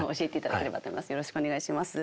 よろしくお願いします。